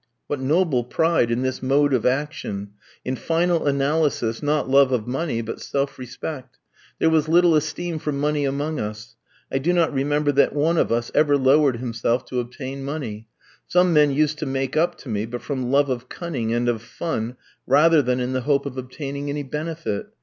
What noble pride in this mode of action! In final analysis not love of money, but self respect. There was little esteem for money among us. I do not remember that one of us ever lowered himself to obtain money. Some men used to make up to me, but from love of cunning and of fun rather than in the hope of obtaining any benefit.